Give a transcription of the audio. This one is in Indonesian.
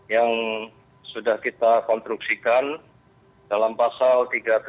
yang sudah kita konstruksikan dalam pasal tiga ratus tujuh puluh dua tiga ratus tujuh puluh empat